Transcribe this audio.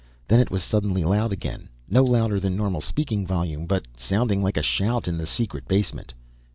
Then it was suddenly loud again, no louder than normal speaking volume, but sounding like a shout in the secret basement.